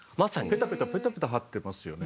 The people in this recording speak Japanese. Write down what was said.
ペタペタペタペタ貼ってますよね。